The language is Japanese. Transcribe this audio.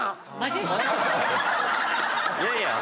いやいや！